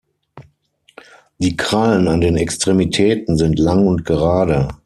Die Krallen an den Extremitäten sind lang und gerade.